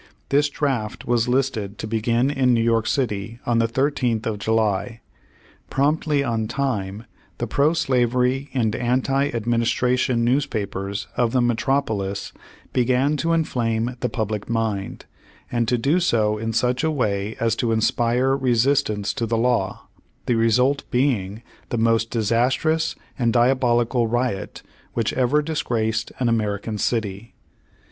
This draft was listed to begin in New York City on the 13th of July. Promptly on time the pro slavery and anti administration newspapers of the metropolis began to inflame the public mind, and to do so in such a way as to inspire resistance to the law, the result being the most disastrous and diabolical riot which ever disgraced an American city.